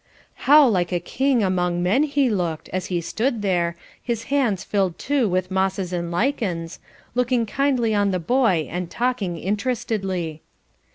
How like a king among men he looked, as he stood there, his hands filled too with mosses and lichens, looking kindly on the boy and talking interestedly.